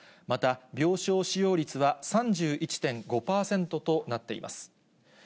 また、病床使用率は３１．５％となっています。